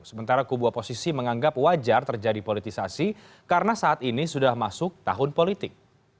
sementara kubu oposisi menganggap wajar terjadi politisasi karena saat ini sudah masuk tahun politik